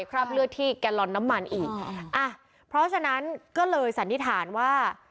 คราบเลือดที่แกลลอนน้ำมันอีกอ่ะเพราะฉะนั้นก็เลยสันนิษฐานว่า